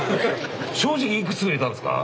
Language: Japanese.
正直いくつ売れたんですか？